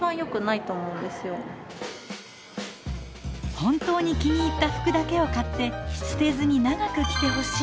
本当に気に入った服だけを買って捨てずに長く着てほしい。